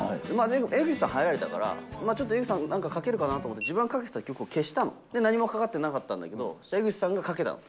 江口さん、入られたから、ちょっと江口さんもなんかかけるかなと思って、自分がかけてた曲を消したの、そしたら何もかかってなかったんだけど、江口さんがかけたの。